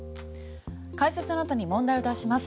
解説のあとに問題を出します。